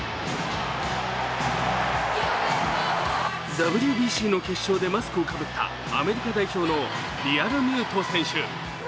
ＷＢＣの決勝でマスクをかぶったアメリカ代表のリアルミュート選手。